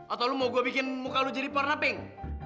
atau lo mau gue bikin muka lu jadi warna pink